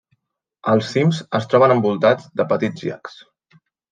Els cims es troben envoltats de petits llacs.